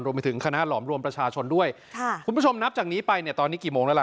ไปถึงคณะหลอมรวมประชาชนด้วยค่ะคุณผู้ชมนับจากนี้ไปเนี่ยตอนนี้กี่โมงแล้วล่ะ